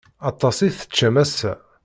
Aṭas i teččam ass-a.